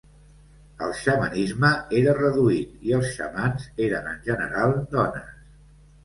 El xamanisme era reduït i els xamans eren en general dones.